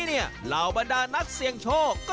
เหล่าบรรดานักเสี่ยงโชค